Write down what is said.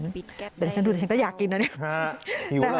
เดี๋ยวฉันดูดิฉันก็อยากกินนะเนี่ย